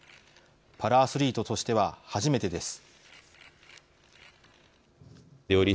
パラアスリートとしては初めてです。